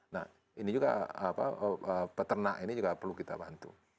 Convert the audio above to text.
nah ini juga peternak ini juga perlu kita bantu